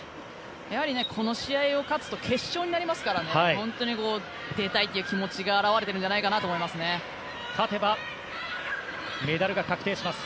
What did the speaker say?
やはりこの試合を勝つと決勝になりますから本当に出たいという気持ちが表れてるんじゃないかと思います。